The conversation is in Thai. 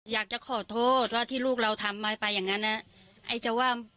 อยากจะขอโทษแล้วที่ลูกเราทำไปไปอย่างนั้นไอ้เจ้าว่า